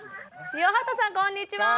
塩畑さんこんにちは。